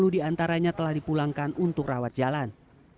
sepuluh diantaranya telah dipulangkan untuk rawat jalan